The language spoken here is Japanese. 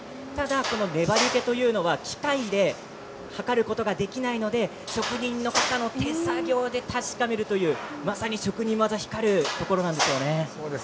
粘りけというのは機械で測ることができないので職人の方の手作業で確かめるという職人技が光るところですね。